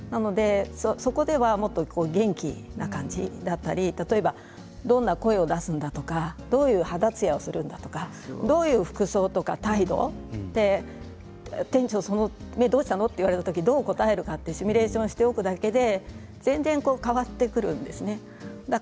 そこでは元気な感じだったり例えば、どんな声を出すのかとかどういう肌つやをするとかどういう服装や態度店長その目どうしたの？と言われた時どう答えるかというシミュレーションしておくだけで変わってくるんですね。